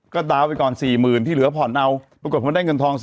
ก็ดาวน์ไปก่อน๔๐๐๐ที่เหลือผ่อนเอาปรากฏว่าได้เงินทอง